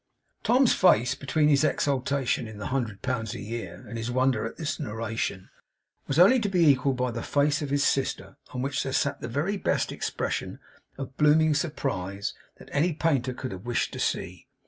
Tom's face, between his exultation in the hundred pounds a year, and his wonder at this narration, was only to be equalled by the face of his sister, on which there sat the very best expression of blooming surprise that any painter could have wished to see.